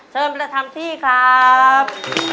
เชิญไปแล้วทำที่ครับ